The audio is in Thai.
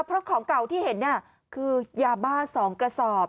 เพราะของเก่าที่เห็นคือยาบ้า๒กระสอบ